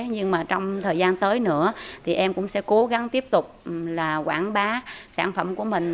nhưng mà trong thời gian tới nữa thì em cũng sẽ cố gắng tiếp tục là quảng bá sản phẩm của mình